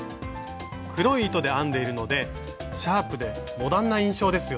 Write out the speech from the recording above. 黒い糸で編んでいるのでシャープでモダンな印象ですよね。